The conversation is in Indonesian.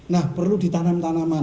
nah perlu ditanam tanaman